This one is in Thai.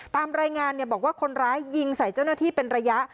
ตามรายงานบอกว่าคนร้ายยิงใส่เจ้าหน้าที่เป็นระยะ